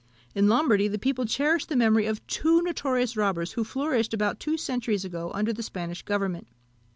In Lombardy, the people cherish the memory of two notorious robbers, who flourished about two centuries ago under the Spanish government.